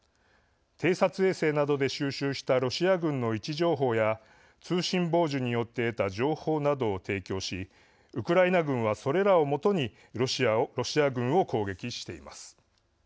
偵察衛星などで収集したロシア軍の位置情報や通信傍受によって得た情報などを提供しウクライナ軍は、それらを基にロシア軍を攻撃しています。